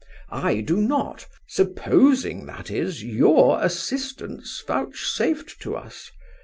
I do not: supposing, that is, your assistance vouchsafed to us.